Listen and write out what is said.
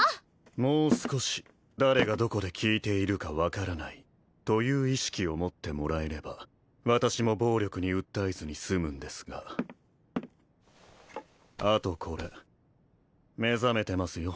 もう少し誰がどこで聞いているか分からないという意識を持ってもらえれば私も暴力に訴えずに済むんですがあとこれ目覚めてますよ